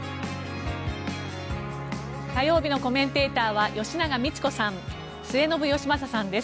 火曜日のコメンテーターは吉永みち子さん、末延吉正さん。